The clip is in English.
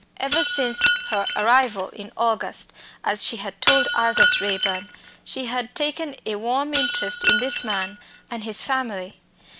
Ever since her arrival in August, as she had told Aldous Raeburn, she had taken a warm interest in this man and his family.